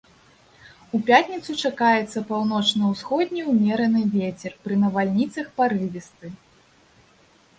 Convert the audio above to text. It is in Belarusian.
У пятніцу чакаецца паўночна-ўсходні ўмераны вецер, пры навальніцах парывісты.